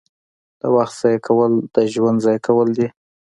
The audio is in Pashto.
• د وخت ضایع کول د ژوند ضایع کول دي.